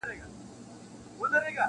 څه شڼهار د مرغلينو اوبو-